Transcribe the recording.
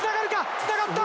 つながった！